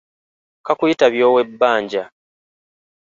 Kakuyitabya ow'ebbanja.